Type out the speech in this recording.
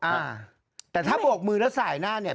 อ่าแต่ถ้าโบกมือแล้วสายหน้าเนี่ย